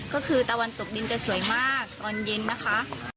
ก็คือตะวันตกดินจะสวยมากตอนเย็นนะคะ